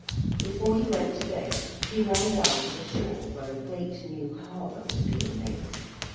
Before he went to bed he ran down to the shore where a great new harbour was being made.